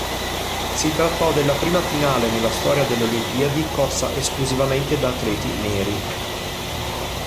Si trattò della prima finale nella storia delle Olimpiadi corsa esclusivamente da atleti neri.